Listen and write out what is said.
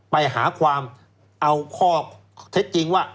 ไปหาความเอาข้อเท็จจริงว่า